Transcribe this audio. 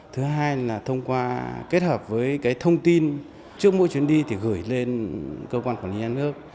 thứ hai là thông qua kết hợp với thông tin trước mỗi chuyến đi thì gửi lên cơ quan quản lý nhà nước